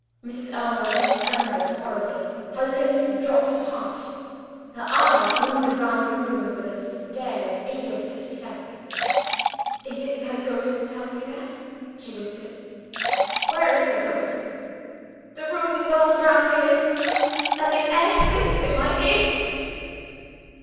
Mrs. Ellmother trembled horribly her lips dropped apart her eyes wandered round the room with a stare of idiotic terror. "Is it her ghost tells you that?" she whispered. "Where is her ghost? The room whirls round and round, miss and the air sings in my ears."